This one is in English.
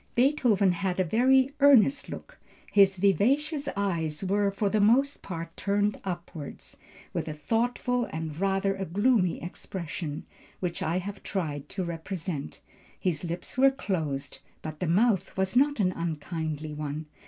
"Beethoven had a very earnest look; his vivacious eyes were for the most part turned upwards, with a thoughtful and rather a gloomy expression, which I have tried to represent. His lips were closed, but the mouth was not an unkindly one.